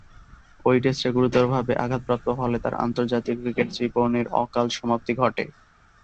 ঐ টেস্টে গুরুতরভাবে আঘাতপ্রাপ্ত হলে তার আন্তর্জাতিক ক্রিকেট জীবনের অকাল সমাপ্তি ঘটে।